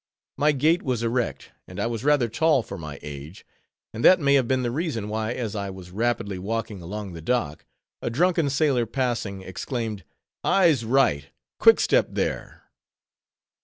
My gait was erect, and I was rather tall for my age; and that may have been the reason why, as I was rapidly walking along the dock, a drunken sailor passing, exclaimed, _"Eyes right! quick step there!"